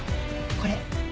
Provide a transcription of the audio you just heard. これ。